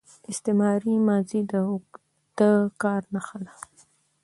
استمراري ماضي د اوږده کار نخښه ده.